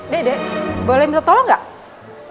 dede boleh minta tolong nggak